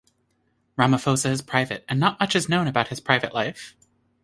Ramaphosa is private and not much is known about his private life.